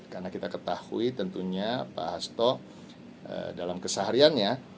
karena kita ketahui tentunya pak hasto dalam kesaharian